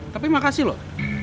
tapi makasih loh